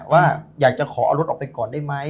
ว่าอยากจะขอเอารถออกไปก่อนได้ไหม